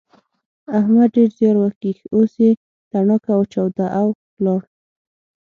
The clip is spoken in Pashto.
احمد ډېر زیار وکيښ اوس يې تڼاکه وچاوده او ولاړ.